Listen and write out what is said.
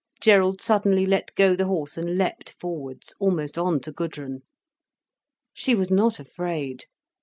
Gerald suddenly let go the horse and leaped forwards, almost on to Gudrun. She was not afraid.